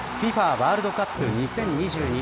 ワールドカップ２０２２